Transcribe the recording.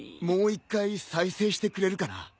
もう一回再生してくれるかな？